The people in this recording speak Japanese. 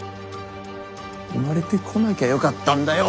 生まれてこなきゃよかったんだよ